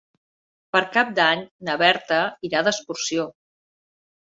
Per Cap d'Any na Berta irà d'excursió.